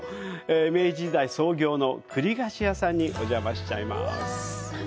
明治時代創業の栗菓子屋さんにお邪魔しちゃいます。